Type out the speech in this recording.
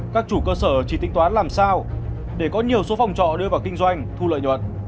các chủ cơ sở chỉ tính toán làm sao để có nhiều số phòng trọ đưa vào kinh doanh thu lợi nhuận